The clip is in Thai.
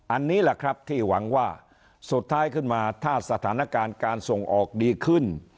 อันนี้แหละครับที่หวังว่าสุดท้ายขึ้นมาถ้าสถานการณ์การส่งออกดีขึ้น